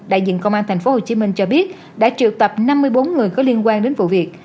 đại diện công an tp hcm cho biết đã triệu tập năm mươi bốn người có liên quan đến vụ việc